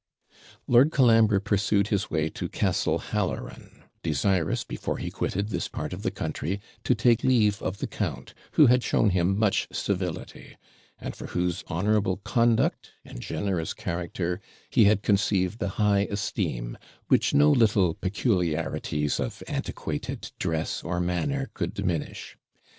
Lord Colambre pursued his way to Castle Halloran, desirous, before he quitted this part of the country, to take leave of the count, who had shown him much civility, and for whose honourable conduct, and generous character, he had conceived a high esteem, which no little peculiarities of antiquated dress or manner could diminish.